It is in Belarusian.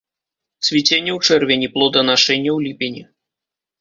Цвіценне ў чэрвені, плоданашэнне ў ліпені.